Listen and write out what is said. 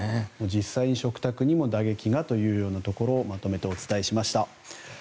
実際に食卓にも打撃がというようなところをまとめてお伝えしました。